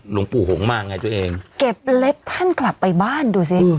หลวงปู่หงมาไงตัวเองเก็บเล็บท่านกลับไปบ้านดูสิ